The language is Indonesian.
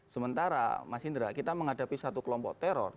sementara mas indra kita menghadapi satu kelompok teror